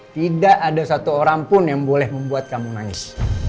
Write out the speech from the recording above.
tidak ada satu orang pun yang boleh membuat kamu nangis